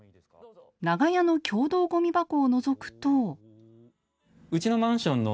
長屋の共同ごみ箱をのぞくと。